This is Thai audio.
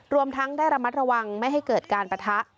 รวมทั้งได้ระมัดระวังไม่ให้เกิดการปะทะ